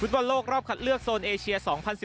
บอลโลกรอบคัดเลือกโซนเอเชีย๒๐๑๙